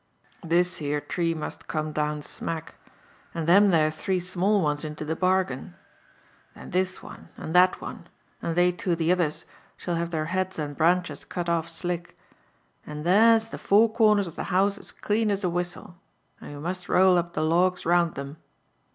" This here tree must come down smack — and them there three small ones into the bargain ; then this one, and that one, and they two t'others, shall have their heads and branches cut off slick ; and there's the four corners of the house as clean as a whistle, and we must roll up the logs round them.